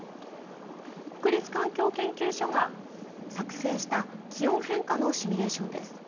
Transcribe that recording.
国立環境研究所が作成した気温変化のシミュレーションです。